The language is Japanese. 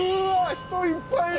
人いっぱいいる！